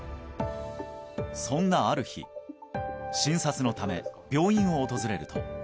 そんなある日診察のため病院を訪れると誰？